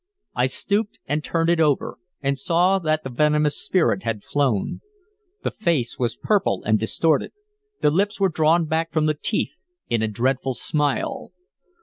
I stooped and turned it over, and saw that the venomous spirit had flown. The face was purple and distorted; the lips were drawn back from the teeth in a dreadful smile.